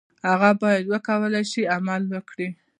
هغه باید وکولای شي عمل وکړي.